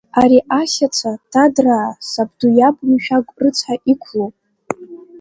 Ари ахьаца, дадраа, сабду иаб Мшәагә рыцҳа иқәлоуп.